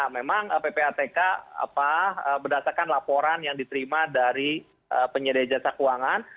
memang ppatk berdasarkan laporan yang diterima dari penyedia jasa keuangan